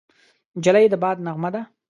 نجلۍ د باد نغمه ده.